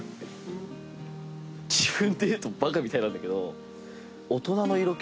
自分で言うとバカみたいなんだけど。